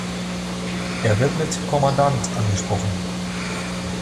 Er wird mit "Commandant" angesprochen.